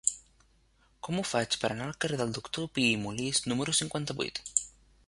Com ho faig per anar al carrer del Doctor Pi i Molist número cinquanta-vuit?